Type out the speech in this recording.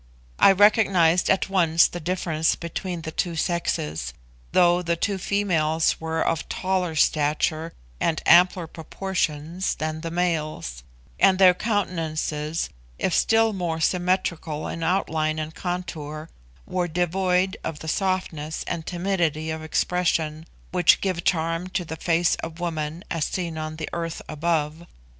I recognised at once the difference between the two sexes, though the two females were of taller stature and ampler proportions than the males; and their countenances, if still more symmetrical in outline and contour, were devoid of the softness and timidity of expression which give charm to the face of woman as seen on the earth above.